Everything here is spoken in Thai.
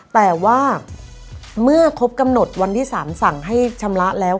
แต่ว่าเมื่อครบกำหนดวันที่๓สั่งให้ชำระแล้ว